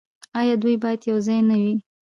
آیا دوی باید یوځای نه وي؟